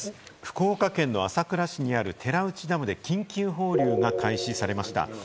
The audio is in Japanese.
福岡県の朝倉市にある寺内ダムで緊急放流が開始されました。